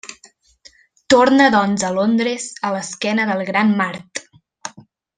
Torna doncs a Londres a l'esquena del Gran Mart.